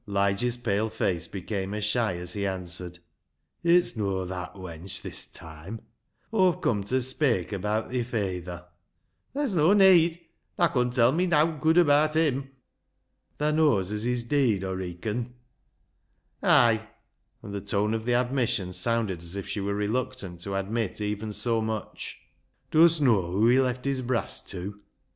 Lige's pale face became ashy as he answered —" It's no' that, wench, this toime. Aw've cum ta speik abaat thi fayther." " Tha's no need ; tha con tell me nowt good abaat him." " Thaa knows as he's deead, Aw reacon ?"" Ay !" and the tone of the admission sounded as if she were reluctant to admit even so much. " Dust know whoa he left his brass tew